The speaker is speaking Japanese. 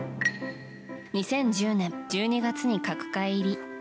２０１０年１０月に角界入り。